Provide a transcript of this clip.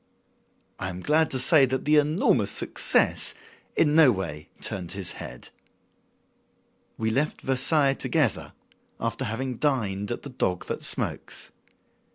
I am glad to say that the enormous success in no way turned his head. We left Versailles together, after having dined at "The Dog That Smokes."